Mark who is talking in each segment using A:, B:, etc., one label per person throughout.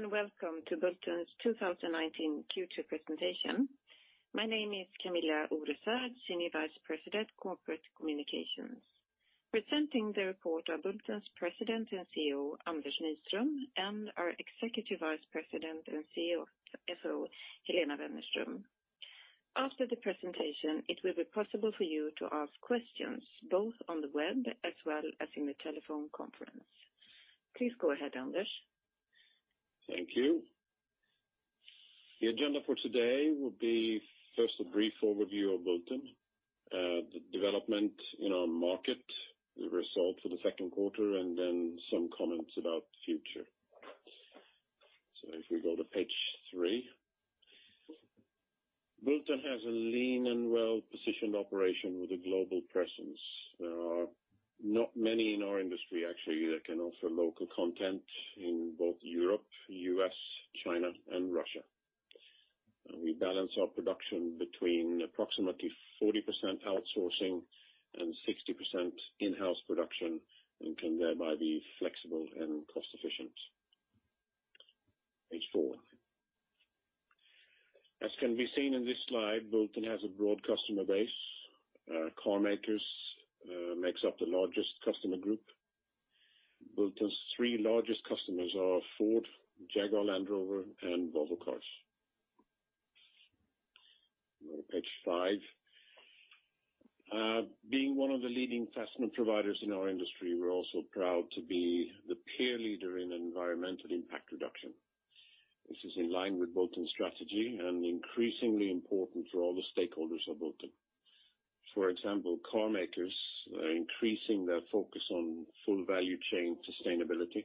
A: Hello, and welcome to Bulten's 2019 Q2 presentation. My name is Kamilla Oresvärd, Senior Vice President, Corporate Communications. Presenting the report are Bulten's President and CEO, Anders Nyström, and our Executive Vice President and CFO, Helena Wennerström. After the presentation, it will be possible for you to ask questions, both on the web as well as in the telephone conference. Please go ahead, Anders.
B: Thank you. The agenda for today will be first a brief overview of Bulten, the development in our market, the result for the second quarter, then some comments about the future. If we go to page three. Bulten has a lean and well-positioned operation with a global presence. There are not many in our industry, actually, that can offer local content in both Europe, U.S., China, and Russia. We balance our production between approximately 40% outsourcing and 60% in-house production, and can thereby be flexible and cost efficient. Page four. As can be seen in this slide, Bulten has a broad customer base. Car makers makes up the largest customer group. Bulten's three largest customers are Ford, Jaguar Land Rover, and Volvo Cars. Page five. Being one of the leading fastener providers in our industry, we're also proud to be the peer leader in environmental impact reduction. This is in line with Bulten's strategy and increasingly important for all the stakeholders of Bulten. For example, car makers are increasing their focus on full value chain sustainability,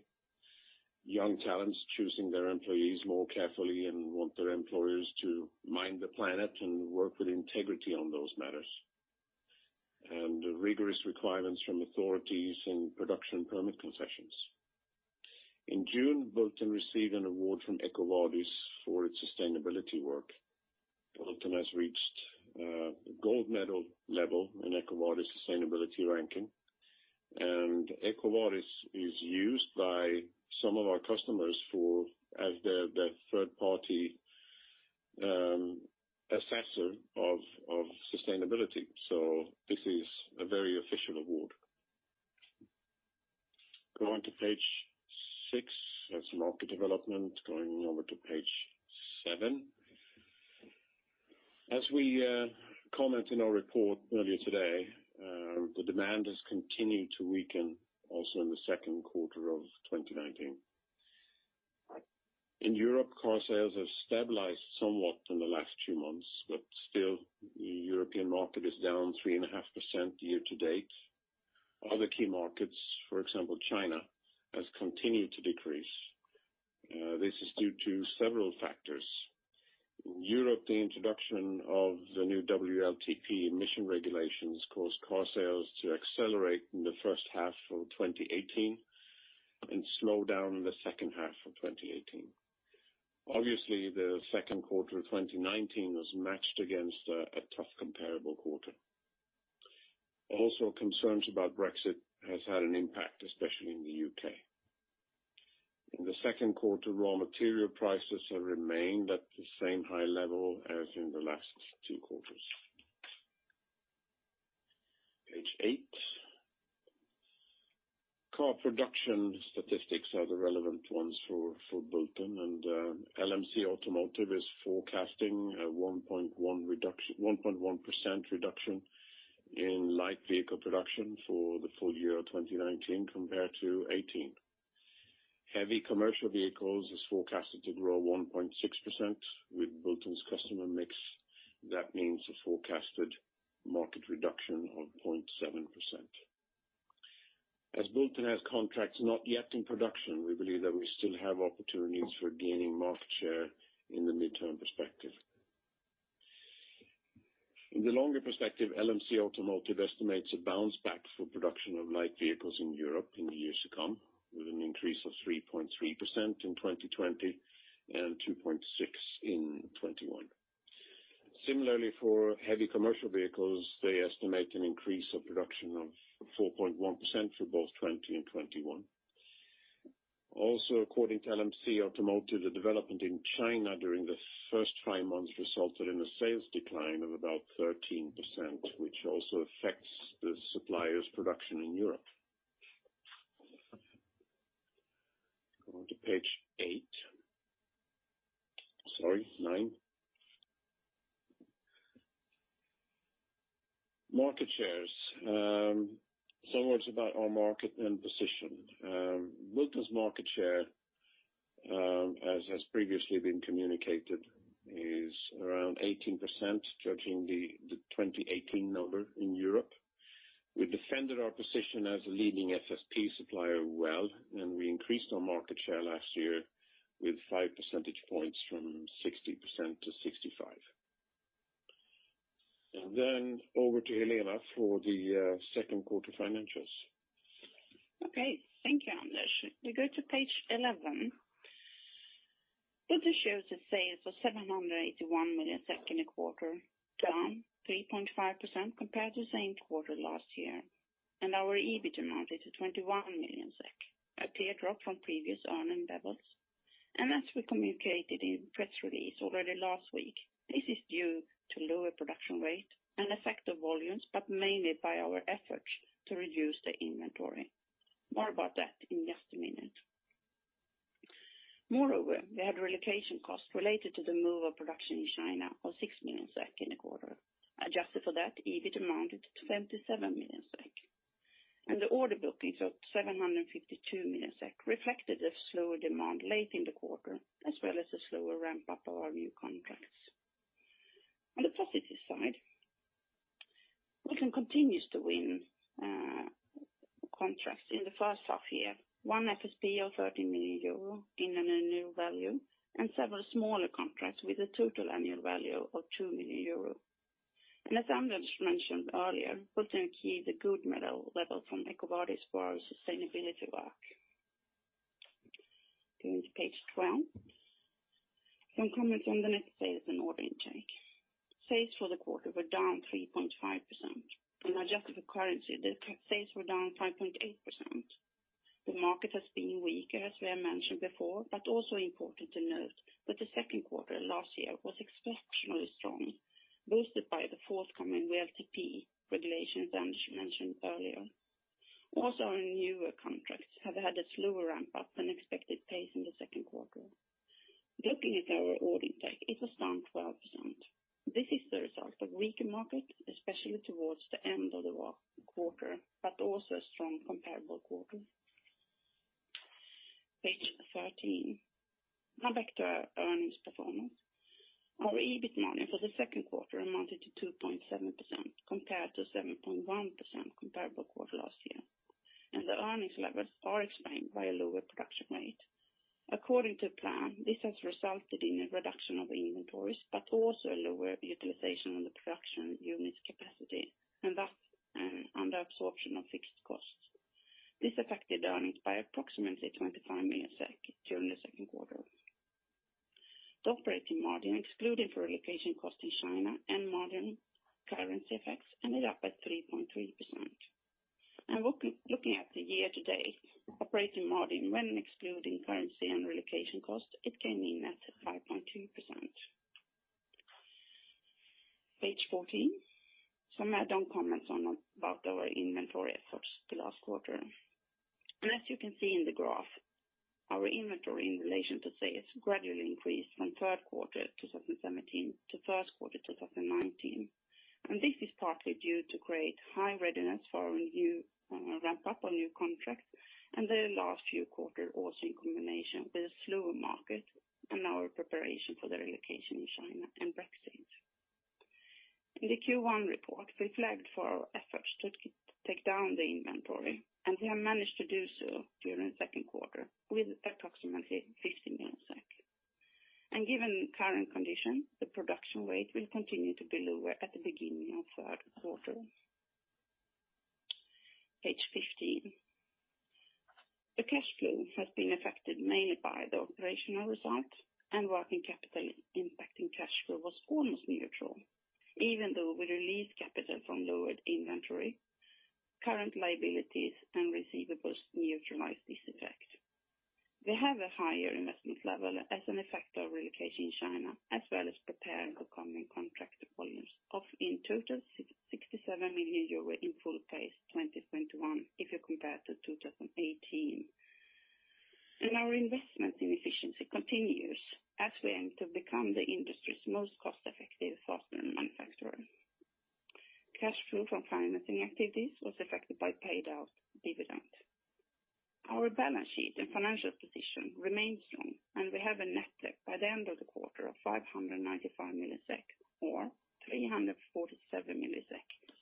B: young talents choosing their employees more carefully and want their employers to mind the planet and work with integrity on those matters, and rigorous requirements from authorities and production permit concessions. In June, Bulten received an award from EcoVadis for its sustainability work. Bulten has reached Gold Medal Level in EcoVadis sustainability ranking. EcoVadis is used by some of our customers as their third party assessor of sustainability. This is a very official award. Go on to page six. That's market development. Going over to page seven. As we comment in our report earlier today, the demand has continued to weaken also in the second quarter of 2019. In Europe, car sales have stabilized somewhat in the last two months, but still the European market is down 3.5% year to date. Other key markets, for example, China, has continued to decrease. This is due to several factors. In Europe, the introduction of the new WLTP emission regulations caused car sales to accelerate in the first half of 2018 and slow down in the second half of 2018. Obviously, the second quarter of 2019 was matched against a tough comparable quarter. Also, concerns about Brexit has had an impact, especially in the U.K. In the second quarter, raw material prices have remained at the same high level as in the last two quarters. Page eight. Car production statistics are the relevant ones for Bulten, LMC Automotive is forecasting a 1.1% reduction in light vehicle production for the full year 2019 compared to 2018. Heavy commercial vehicles is forecasted to grow 1.6% with Bulten's customer mix. That means a forecasted market reduction of 0.7%. As Bulten has contracts not yet in production, we believe that we still have opportunities for gaining market share in the midterm perspective. In the longer perspective, LMC Automotive estimates a bounce back for production of light vehicles in Europe in the years to come, with an increase of 3.3% in 2020 and 2.6% in 2021. Similarly, for heavy commercial vehicles, they estimate an increase of production of 4.1% for both 2020 and 2021. Also, according to LMC Automotive, the development in China during the first five months resulted in a sales decline of about 13%, which also affects the suppliers' production in Europe. Go on to page eight. Sorry, nine. Market shares. Some words about our market and position. Bulten's market share, as has previously been communicated, is around 18% judging the 2018 number in Europe. We defended our position as a leading FSP supplier well, and we increased our market share last year with five percentage points from 60% to 65%. Then over to Helena for the second quarter financials.
A: Okay. Thank you, Anders. We go to page 11.
C: Bulten shows its sales of 781 million in a quarter, down 3.5% compared to the same quarter last year, our EBIT amounted to 21 million SEK, a clear drop from previous earning levels. As we communicated in press release already last week, this is due to lower production rate and effect of volumes, but mainly by our efforts to reduce the inventory. More about that in just a minute. Moreover, we had relocation costs related to the move of production in China of 6 million SEK in a quarter. Adjusted for that, EBIT amounted to 27 million SEK. The order bookings of 752 million SEK reflected a slower demand late in the quarter, as well as a slower ramp-up of our new contracts. On the positive side, Bulten continues to win contracts in the first half year, one FSP of 30 million euro in a new value and several smaller contracts with a total annual value of 2 million euro. As Anders mentioned earlier, Bulten achieved a gold medal level from EcoVadis for our sustainability work. Going to page 12. Some comments on the net sales and order intake. Sales for the quarter were down 3.5%. Adjusted for currency, the sales were down 5.8%. The market has been weaker, as we have mentioned before. Also important to note that the second quarter last year was exceptionally strong, boosted by the forthcoming WLTP regulations Anders mentioned earlier. Our newer contracts have had a slower ramp-up than expected pace in the second quarter. Looking at our order intake, it was down 12%. This is the result of weaker market, especially towards the end of the quarter. Also a strong comparable quarter. Page 13. Now back to our earnings performance. Our EBIT margin for the second quarter amounted to 2.7% compared to 7.1% comparable quarter last year. The earnings levels are explained by a lower production rate. According to plan, this has resulted in a reduction of inventories. Also a lower utilization on the production unit capacity and thus an under absorption of fixed costs. This affected earnings by approximately 25 million SEK during the second quarter. The operating margin, excluding for relocation cost in China and margin currency effects, ended up at 3.3%. Looking at the year to date, operating margin, when excluding currency and relocation costs, it came in at 5.2%. Page 14. Some add-on comments about our inventory efforts the last quarter. As you can see in the graph, our inventory in relation to sales gradually increased from third quarter 2017 to first quarter 2019. This is partly due to create high readiness for our ramp-up on new contracts and the last few quarter also in combination with a slower market and our preparation for the relocation in China and Brexit. In the Q1 report, we flagged for our efforts to take down the inventory. We have managed to do so during the second quarter with approximately 50 million. Given current condition, the production rate will continue to be lower at the beginning of third quarter. We have a higher investment level as an effect of relocation in China, as well as preparing for coming contract volumes of in total 67 million euro in full pace 2021 if you compare to 2018. Our investment in efficiency continues as we aim to become the industry's most cost effective fastener manufacturer. Cash flow from financing activities was affected by paid out dividend. Our balance sheet and financial position remains strong. We have a net debt by the end of the quarter of 595 million or 347 million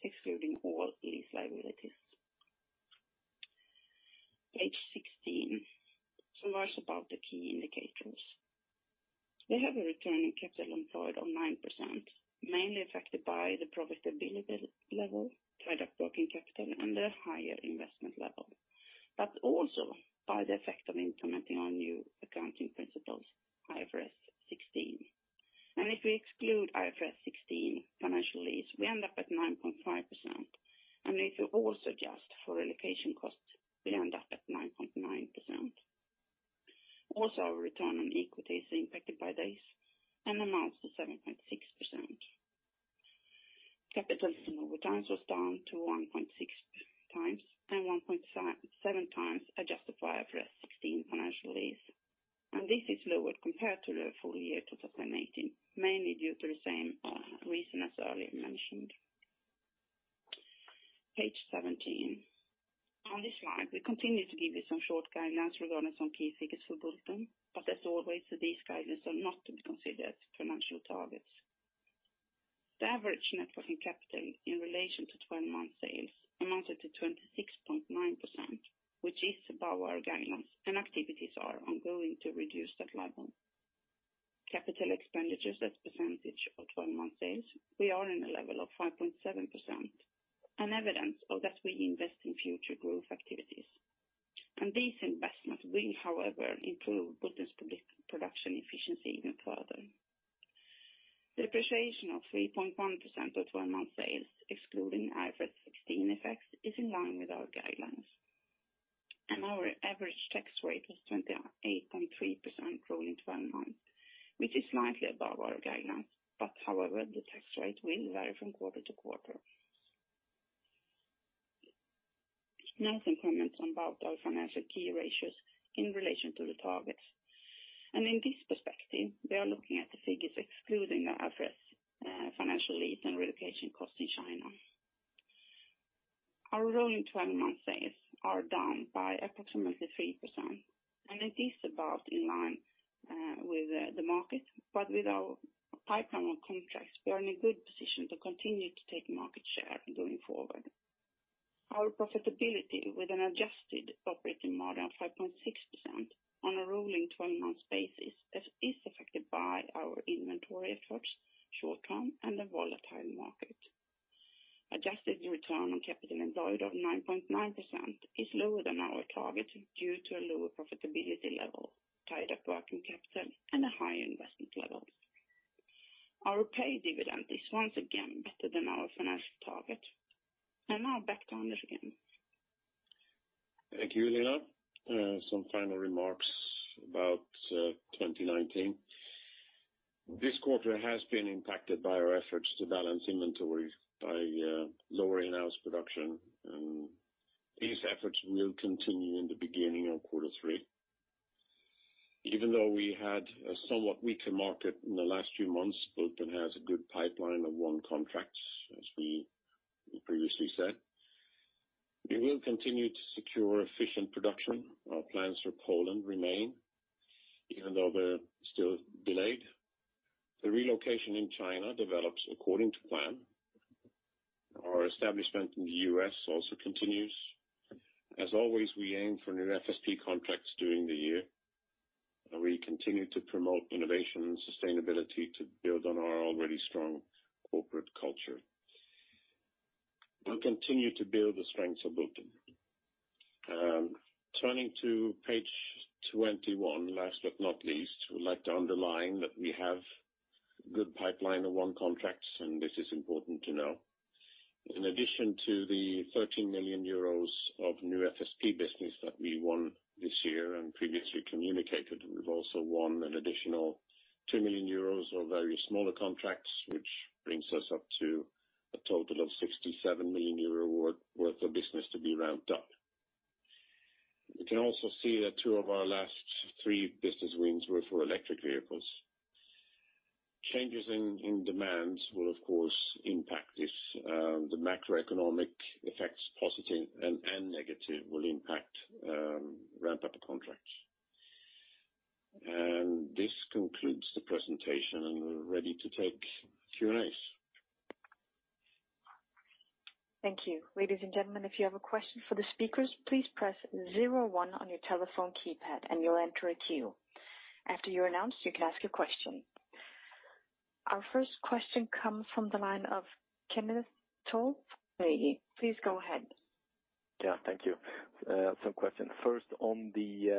C: excluding all lease liabilities. Page 16. Much about the key indicators. We have a return on capital employed of 9%, mainly affected by the profitability level, tied-up working capital. The higher investment level, but also by the effect of implementing our new accounting principles, IFRS 16. If we exclude IFRS 16 financial lease, we end up at 9.5%, and if you also adjust for relocation costs, we end up at 9.9%. Also, our return on equity is impacted by this and amounts to 7.6%. Capital turnover times was down to 1.6 times and 1.7 times adjusted for IFRS 16 financial lease. This is lower compared to the full year 2018, mainly due to the same reason as earlier mentioned. Page 17. On this slide, we continue to give you some short guidelines regarding some key figures for Bulten, but as always, these guidelines are not to be considered financial targets. The average net working capital in relation to 12-month sales amounted to 26.9%, which is above our guidelines, and activities are ongoing to reduce that level. Capital expenditures as percentage of 12-month sales, we are in a level of 5.7%. An evidence of that we invest in future growth activities. These investments will, however, improve Bulten's production efficiency even further. Depreciation of 3.1% of 12-month sales, excluding IFRS 16 effects, is in line with our guidelines. Our average tax rate was 28.3% rolling 12 months, which is slightly above our guidelines. However, the tax rate will vary from quarter to quarter. No increments on both our financial key ratios in relation to the targets. In this perspective, we are looking at the figures excluding the IFRS 16 financial lease and relocation costs in China. Our rolling 12-month sales are down by approximately 3%, and it is about in line with the market. With our pipeline of contracts, we are in a good position to continue to take market share going forward. Our profitability with an adjusted operating margin of 5.6% on a rolling 12-month basis is affected by our inventory efforts, short-term, and the volatile market. Adjusted return on capital employed of 9.9% is lower than our target due to a lower profitability level, tied up working capital, and a high investment level. Our paid dividend is once again better than our financial target. Now back to Anders again.
B: Thank you, Helena. Some final remarks about 2019. This quarter has been impacted by our efforts to balance inventory by lowering our production, and these efforts will continue in the beginning of quarter three. Even though we had a somewhat weaker market in the last few months, Bulten has a good pipeline of won contracts as we previously said. We will continue to secure efficient production. Our plans for Poland remain, even though they are still delayed. The relocation in China develops according to plan. Our establishment in the U.S. also continues. As always, we aim for new FSP contracts during the year, and we continue to promote innovation and sustainability to build on our already strong corporate culture. We'll continue to build the strengths of Bulten. Turning to page 21, last but not least, we would like to underline that we have good pipeline of won contracts. This is important to know. In addition to the 13 million euros of new FSP business that we won this year and previously communicated, we have also won an additional 2 million euros of various smaller contracts, which brings us up to a total of 67 million euro worth of business to be ramped up. We can also see that two of our last three business wins were for electric vehicles. Changes in demands will, of course, impact this. The macroeconomic effects, positive and negative, will impact ramp-up of contracts. This concludes the presentation, and we are ready to take Q&As.
D: Thank you. Ladies and gentlemen, if you have a question for the speakers, please press 01 on your telephone keypad and you will enter a queue. After you are announced, you can ask your question. Our first question comes from the line of Kenneth Toll. Please go ahead.
E: Thank you. Some questions. First, on the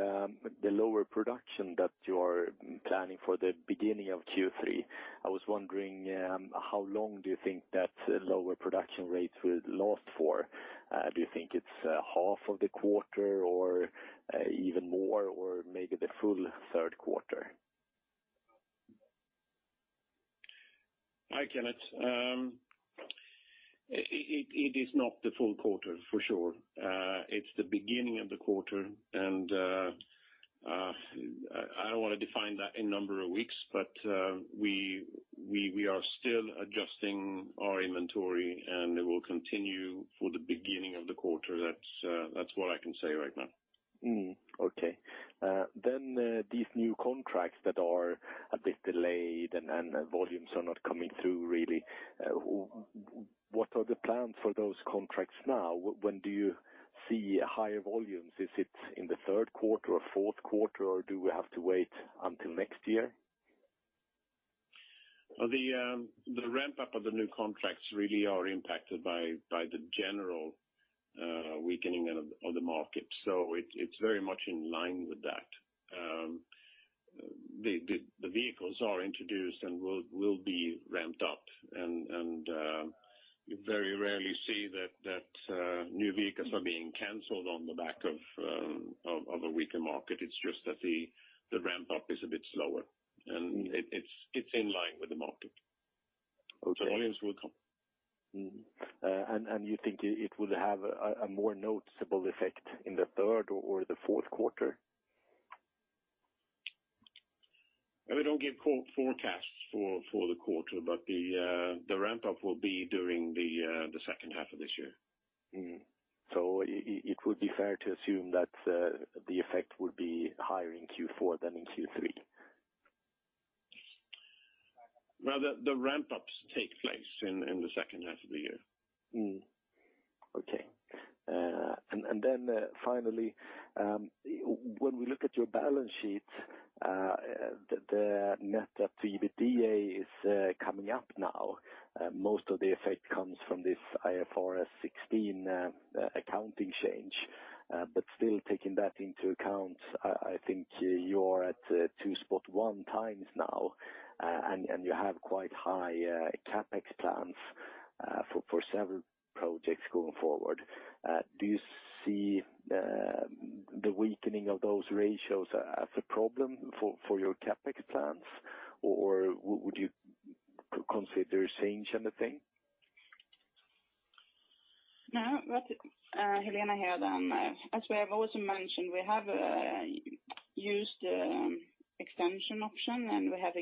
E: lower production that you are planning for the beginning of Q3, I was wondering, how long do you think that lower production rates will last for? Do you think it is half of the quarter or even more, or maybe the full third quarter?
B: Hi, Kenneth. It is not the full quarter, for sure. It is the beginning of the quarter. I do not want to define that in number of weeks. We are still adjusting our inventory. It will continue for the beginning of the quarter. That is what I can say right now.
E: Okay. These new contracts that are a bit delayed and volumes are not coming through, really. What are the plans for those contracts now? When do you see higher volumes? Is it in the third quarter or fourth quarter, or do we have to wait until next year?
B: The ramp-up of the new contracts really are impacted by the general weakening of the market. It's very much in line with that. The vehicles are introduced and will be ramped up, and you very rarely see that new vehicles are being canceled on the back of a weaker market. It's just that the ramp-up is a bit slower, and it's in line with the market.
E: Okay.
B: The volumes will come.
E: You think it would have a more noticeable effect in the third or the fourth quarter?
B: We don't give forecasts for the quarter, but the ramp-up will be during the second half of this year.
E: It would be fair to assume that the effect would be higher in Q4 than in Q3?
B: No, the ramp-ups take place in the second half of the year.
E: Okay. Finally, when we look at your balance sheet, the net debt to EBITDA is coming up now. Most of the effect comes from this IFRS 16 accounting change. Still taking that into account, I think you're at 2.1 times now, and you have quite high CapEx plans for several projects going forward. Do you see the weakening of those ratios as a problem for your CapEx plans, or would you consider change anything?
C: No. Helena here. As we have also mentioned, we have used the extension option, and we have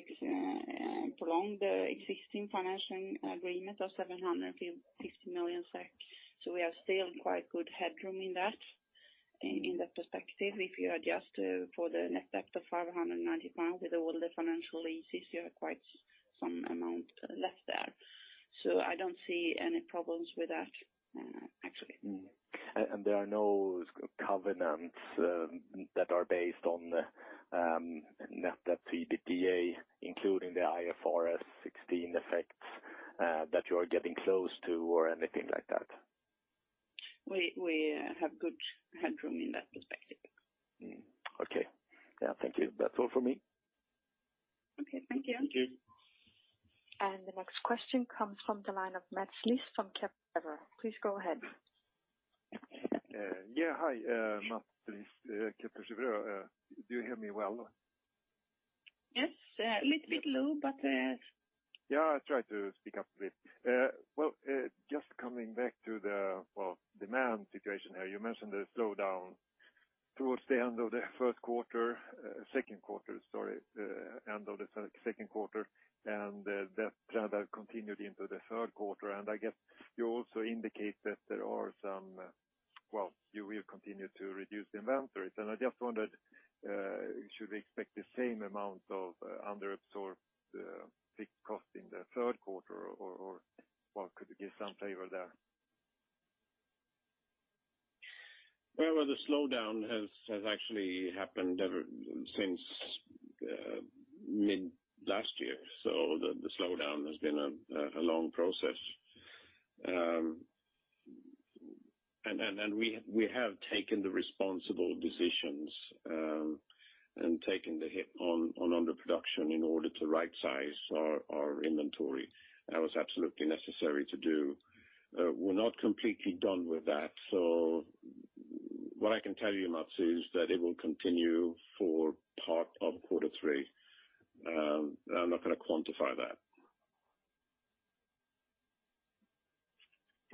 C: prolonged the existing financial agreement of 760 million SEK. We have still quite good headroom in that perspective. If you adjust for the net debt of 595 with all the financial leases, you have quite some amount left there. I don't see any problems with that, actually.
E: There are no covenants that are based on net debt to EBITDA, including the IFRS 16 effects that you are getting close to or anything like that?
C: We have good headroom in that perspective.
E: Okay. Yeah, thank you. That's all for me.
C: Okay, thank you.
E: Thank you.
D: The next question comes from the line of Mats Liss from Kepler Cheuvreux. Please go ahead.
F: Yeah, hi, Mats Liss, Kepler Cheuvreux. Do you hear me well?
C: Yes. A little bit low.
F: Yeah, I try to speak up a bit. Well, just coming back to the demand situation here, you mentioned the slowdown towards the end of the first quarter, second quarter, sorry, end of the second quarter, that trend has continued into the third quarter. I guess you also indicate that Well, you will continue to reduce inventories. I just wondered, should we expect the same amount of underabsorbed fixed cost in the third quarter or could we give some favor there?
B: Well, the slowdown has actually happened ever since mid last year, the slowdown has been a long process. We have taken the responsible decisions, and taken the hit on underproduction in order to rightsize our inventory. That was absolutely necessary to do. We're not completely done with that. What I can tell you, Mats, is that it will continue for part of quarter three. I'm not going to quantify that.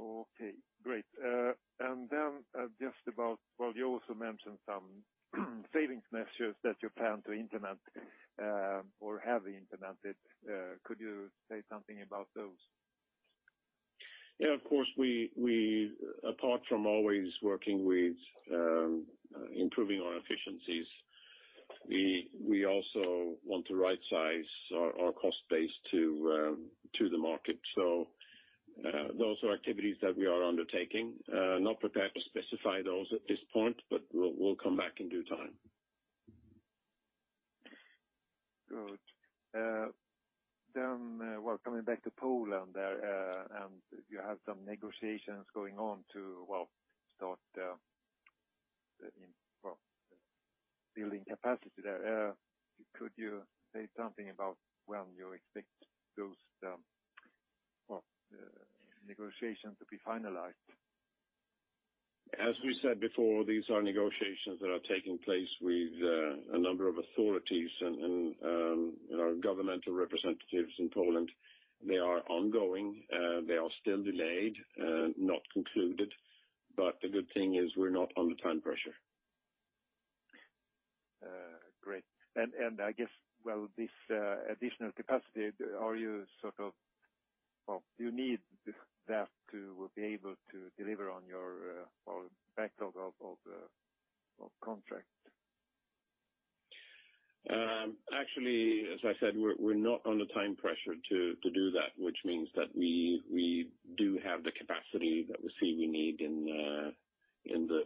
F: Okay, great. Just about, you also mentioned some savings measures that you plan to implement or have implemented. Could you say something about those?
B: Of course, apart from always working with improving our efficiencies, we also want to rightsize our cost base to the market. Those are activities that we are undertaking. Not prepared to specify those at this point, but we'll come back in due time.
F: Good. Well, coming back to Poland there, you have some negotiations going on to start building capacity there. Could you say something about when you expect those negotiations to be finalized?
B: As we said before, these are negotiations that are taking place with a number of authorities and governmental representatives in Poland. They are ongoing. They are still delayed, not concluded. The good thing is we're not under time pressure.
F: Great. I guess, this additional capacity, do you need that to be able to deliver on your backlog of contract?
B: Actually, as I said, we are not under time pressure to do that, which means that we do have the capacity that we see we need in the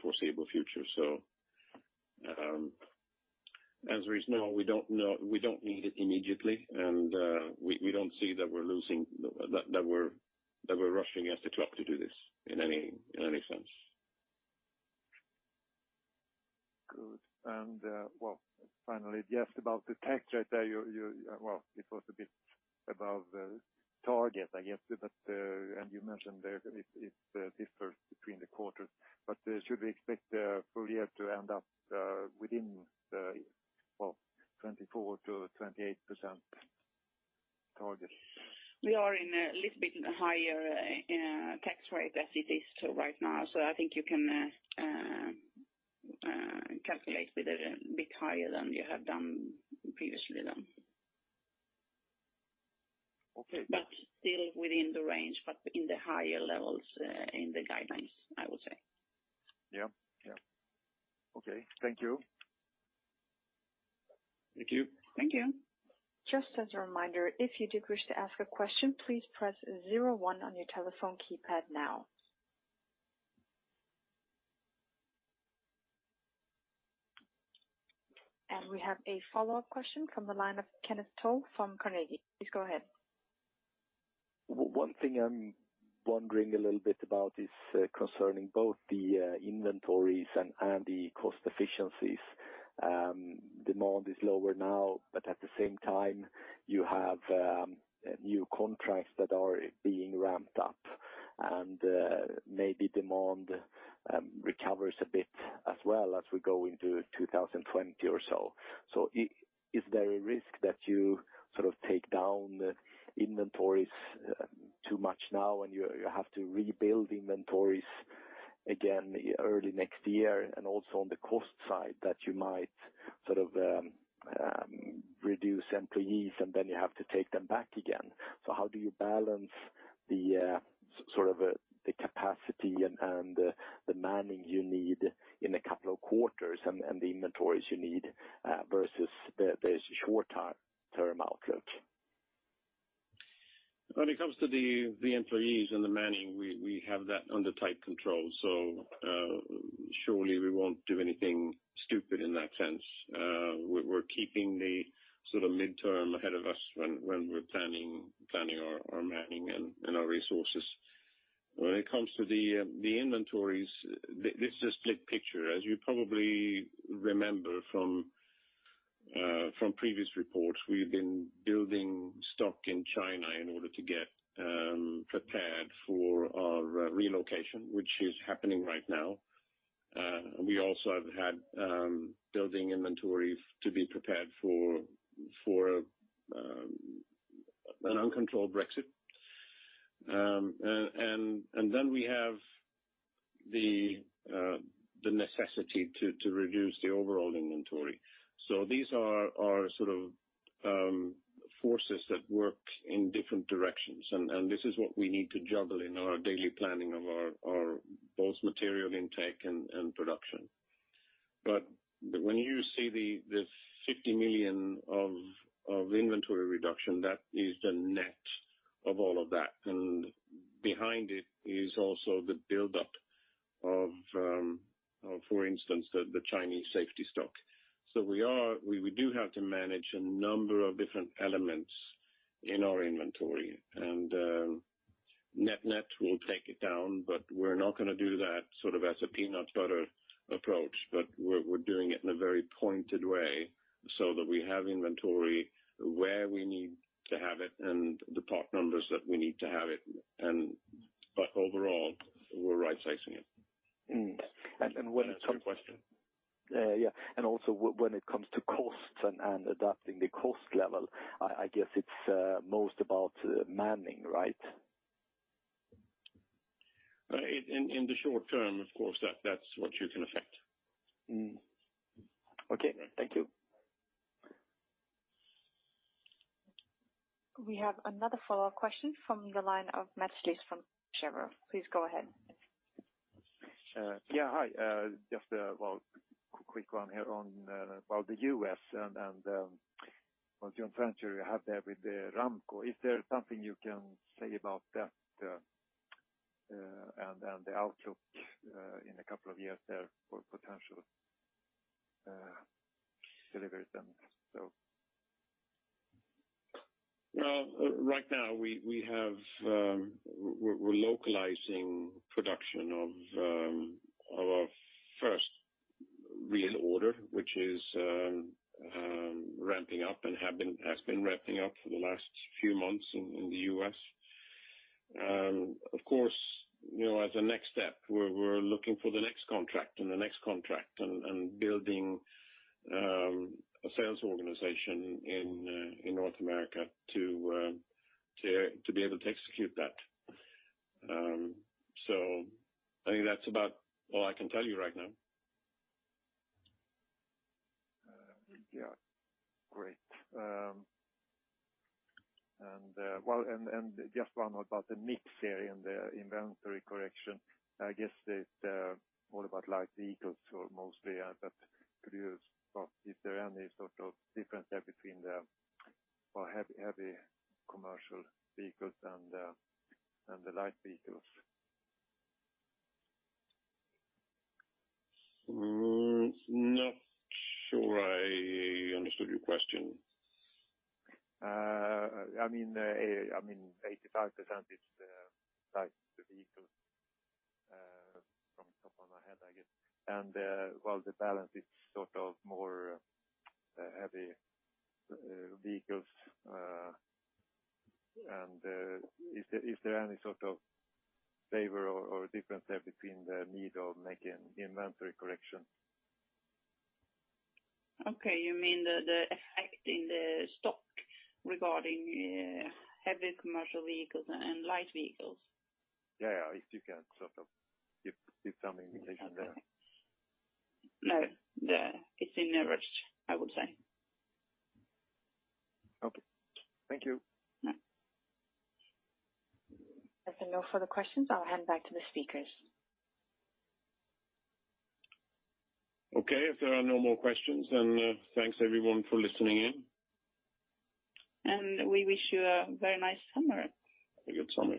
B: foreseeable future. As it is now, we do not need it immediately, and we do not see that we are rushing as a truck to do this in any sense.
F: Good. Well, finally, just about the tax rate there, it was a bit above the target, I guess. You mentioned there it differs between the quarters, should we expect full year to end up within the 24%-28% target?
C: We are in a little bit higher tax rate as it is right now, I think you can calculate with a bit higher than you have done previously then.
F: Okay.
C: Still within the range, but in the higher levels in the guidelines, I would say.
F: Yeah. Okay. Thank you.
B: Thank you.
C: Thank you.
D: Just as a reminder, if you do wish to ask a question, please press zero one on your telephone keypad now. We have a follow-up question from the line of Kenneth Toll from Carnegie. Please go ahead.
E: One thing I'm wondering a little bit about is concerning both the inventories and the cost efficiencies. Demand is lower now, but at the same time you have new contracts that are being ramped up and maybe demand recovers a bit as well as we go into 2020 or so. Is there a risk that you sort of take down inventories too much now, and you have to rebuild inventories again early next year and also on the cost side that you might sort of reduce employees and then you have to take them back again. How do you balance the capacity and the manning you need in a couple of quarters and the inventories you need, versus the short-term outlook?
B: When it comes to the employees and the manning, we have that under tight control. Surely we won't do anything stupid in that sense. We're keeping the sort of midterm ahead of us when we're planning our manning and our resources. When it comes to the inventories, this is a split picture, as you probably remember from previous reports. We've been building stock in China in order to get prepared for our relocation, which is happening right now. We also have had building inventories to be prepared for an uncontrolled Brexit. Then we have the necessity to reduce the overall inventory. These are sort of forces that work in different directions and this is what we need to juggle in our daily planning of our both material intake and production. When you see the 50 million of inventory reduction, that is the net of all of that. Behind it is also the buildup of for instance, the Chinese safety stock. We do have to manage a number of different elements in our inventory and net will take it down, but we're not going to do that sort of as a peanut butter approach, but we're doing it in a very pointed way so that we have inventory where we need to have it and the part numbers that we need to have it. Overall, we're right sizing it.
E: Mm-hmm.
B: That's your question?
E: Yeah. Also when it comes to costs and adapting the cost level, I guess it's most about manning, right?
B: In the short term, of course, that's what you can affect.
E: Mm-hmm. Okay. Thank you.
D: We have another follow-up question from the line of Mats Liss from Please go ahead.
F: Yeah, hi, just a well, quick one here on about the U.S. and, well, John French you have there with the Ramco. Is there something you can say about that and the outlook in a couple of years there for potential deliveries then so
B: Well, right now we're localizing production of our first reorder, which is ramping up and has been ramping up for the last few months in the U.S. Of course, as a next step, we're looking for the next contract and the next contract and building a sales organization in North America to be able to execute that. I think that's about all I can tell you right now.
F: Yeah. Great. Just one about the mix there and the inventory correction. I guess that all about light vehicles or mostly that produce, but is there any sort of difference there between the heavy commercial vehicles and the light vehicles?
B: Not sure I understood your question.
F: I mean 85% is the light vehicles, from top of my head, I guess. Well, the balance is sort of more heavy vehicles, and is there any sort of favor or difference there between the need of making the inventory correction?
C: Okay. You mean the effect in the stock regarding heavy commercial vehicles and light vehicles?
F: Yeah. If you can sort of give some indication there.
C: No, it's in the average, I would say.
F: Okay. Thank you.
C: Yeah.
D: If there are no further questions, I'll hand back to the speakers.
B: Okay, if there are no more questions, thanks everyone for listening in.
C: We wish you a very nice summer.
B: Have a good summer.